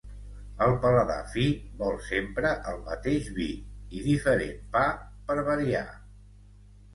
El paladar fi vol sempre el mateix vi, i diferent pa per variar.